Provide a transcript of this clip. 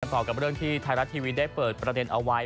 ขอบความกับแล้วที่ทายรัฐทีวีได้เปิดประเด็นเอาไว้